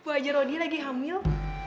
mbak haji rodi lagi hamil